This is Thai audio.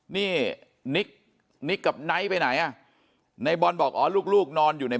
นี่นิกนิกกับไนท์ไปไหนอ่ะในบอลบอกอ๋อลูกลูกนอนอยู่ใน